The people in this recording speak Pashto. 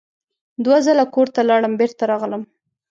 دوه ځله کور ته لاړم بېرته راغلم.